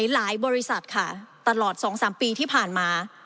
หลายบริษัทค่ะตลอด๒๓ปีที่ผ่านมา